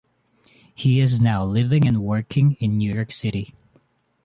He is now living and working in New York City.